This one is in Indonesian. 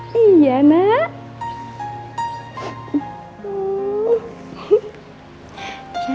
saya sudah selesai